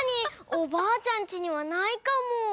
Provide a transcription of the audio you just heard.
おばあちゃんちにはないかも！